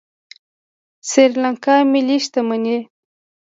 د سریلانکا ملي شتمني